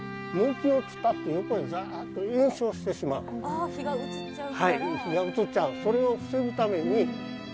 はい火が移っちゃう。